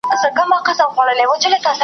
دوی شریک دي د مستیو د خوښۍ پهلوانان دي .